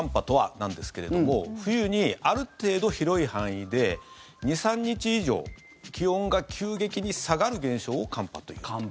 なんですけれども冬に、ある程度広い範囲で２３日以上気温が急激に下がる現象を寒波という。